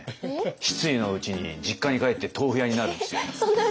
失意のうちに実家に帰って豆腐屋になるんですよ。